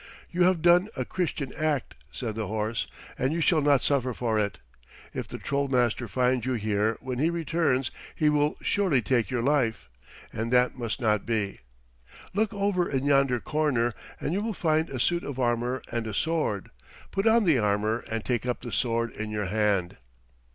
"You have done a Christian act," said the horse, "and you shall not suffer for it. If the Troll Master finds you here when he returns he will surely take your life, and that must not be. Look over in yonder corner, and you will find a suit of armor and a sword. Put on the armor and take up the sword in your hand."